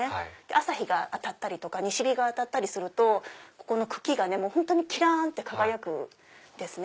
朝日が当たったりとか西日が当たったりするとこの茎が本当にキランって輝くんですね。